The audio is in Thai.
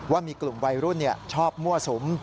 ว่ามีกลุ่มวัยรุ่นชอบมั่วสุม